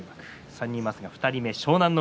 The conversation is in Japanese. ３人いますが、２人目湘南乃